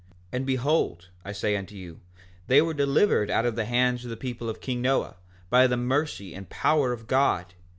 5:4 And behold, I say unto you, they were delivered out of the hands of the people of king Noah, by the mercy and power of God.